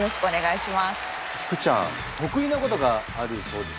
福ちゃん得意なことがあるそうですね。